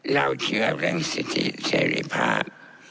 เราเชื่อเรื่องสิทธิเสรีภาพ